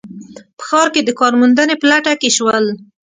په ښار کې د کار موندنې په لټه کې شول